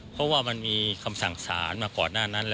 เพราะว่ามันมีคำสั่งสารมาก่อนหน้านั้น